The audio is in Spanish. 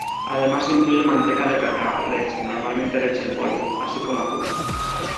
Además incluye manteca de cacao, leche, normalmente leche en polvo, así como azúcar.